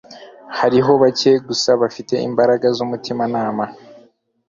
Hariho bake gusa bafite imbaraga zumutimanama